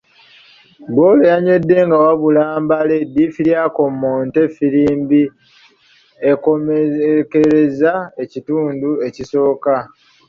Ggoolo yanywedde nga wabula mbale ddiifiri akommonte ffirimbi ekomekkereza ekitundu ekisooka.